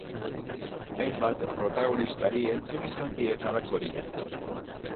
Hainbat protagonistari entzun izan diet halakorik.